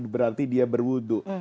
berarti dia berwudhu